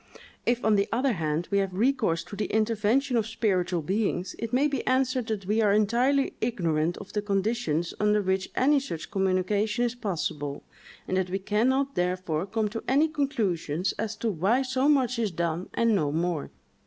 If, on the other hand, we have recourse to the intervention of spiritual beings, it may be answered that we are entirely ignorant of the conditions under which any such communication is possible; and that we can not therefore come to any conclusions as to why so much is done, and no more.